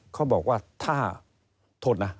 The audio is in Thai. เขาบอกว่าถ้าโทษนะ